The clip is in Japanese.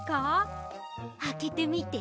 あけてみて。